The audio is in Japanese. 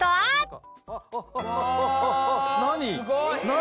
何！